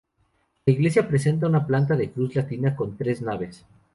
La iglesia presenta una planta de cruz latina con tres naves.